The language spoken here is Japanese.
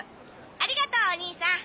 ありがとうおにいさん。